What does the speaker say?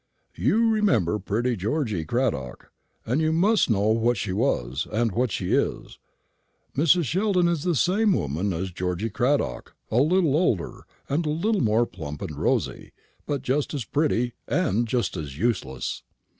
You remember pretty Georgy Cradock, and you must know what she was and what she is. Mrs. Sheldon is the same woman as Georgy Cradock a little older, and a little more plump and rosy; but just as pretty, and just as useless."